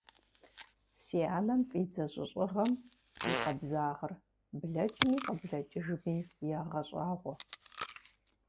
Си анэм фӏидзэ жьыщӏыгъэм и къабзагъыр блэкӏми къыблэкӏыжми ягъэщӏагъуэ!